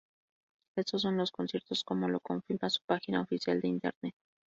Estos son los conciertos como lo confirma su página oficial de internet.